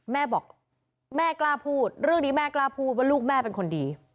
แม่บอกแม่กล้าพูดเรื่องนี้แม่กล้าพูดว่าลูกแม่เป็นคนดี